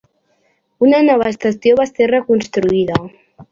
Una nova estació va ser reconstruïda.